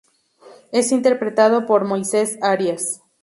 Es interpretado por Moises Arias.